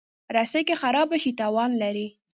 رسۍ که خراب شي، تاوان لري.